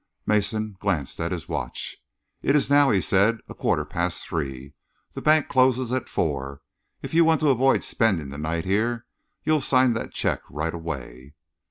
Mason glanced at his watch. "It is now," he said, "a quarter past three. The banks close at four. If you want to avoid spending the night here, you'll sign that cheque right away."